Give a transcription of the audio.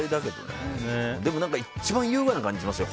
でも一番優雅な感じがしますよ。